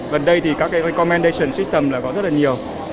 lần đây các recommendation system có rất nhiều